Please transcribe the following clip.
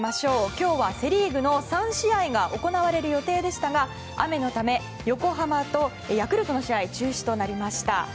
今日はセ・リーグの３試合が行われる予定でしたが雨のため横浜とヤクルトの試合は中止となりました。